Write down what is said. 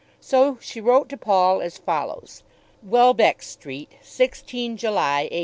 So she wrote to Paul, as follows: Welbeck Street, 16th July, 18